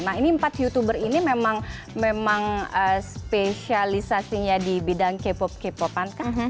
nah ini empat youtuber ini memang spesialisasinya di bidang k pop k popan kan